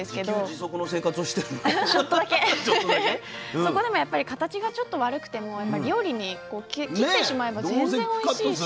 そこでも形がちょっと悪くても料理にこう切ってしまえば全然おいしいし。